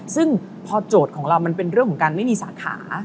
ซึ่งพอโจทย์ของเรามันเป็นเรื่องของการไม่มีสาขา